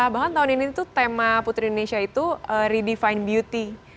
bahkan tahun ini tuh tema putri indonesia itu redefine beauty